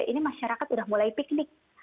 ini masyarakat sudah mulai piknik